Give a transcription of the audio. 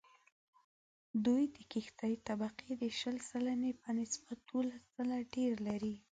دوی د کښتې طبقې د شل سلنې په نسبت دوولس ځله ډېر لري